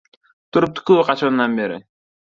Turibdi-ku qachondan beri.